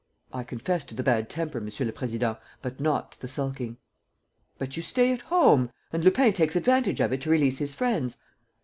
"I confess to the bad temper, Monsieur le Président, but not to the sulking." "But you stay at home! And Lupin takes advantage of it to release his friends.